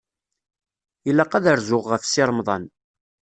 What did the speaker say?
Ilaq ad rzuɣ ɣef Si Remḍan.